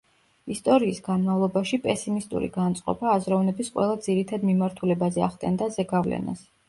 ისტორიის განმავლობაში პესიმისტური განწყობა აზროვნების ყველა ძირითად მიმართულებაზე ახდენდა ზეგავლენას.